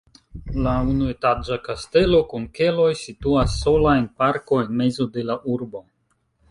La unuetaĝa kastelo kun keloj situas sola en parko en mezo de la urbo.